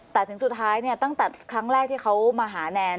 แต่ถึงสุดท้ายเนี่ยตั้งแต่ครั้งแรกที่เขามาหาแนน